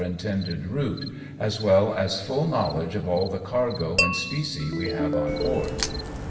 intended route, as well as fuU knowledge of all the cargo and specie we have on board."